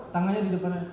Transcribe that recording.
tangannya di depannya